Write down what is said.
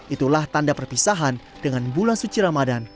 itulah tanda perpisahan dengan bulan suci ramadan